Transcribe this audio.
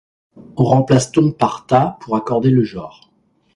On remplace "ton" par "ta" pour accorder le genre.